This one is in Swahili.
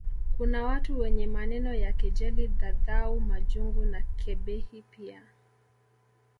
Kuna watu wenye maneno ya kejeli dhadhau majungu na kebehi pia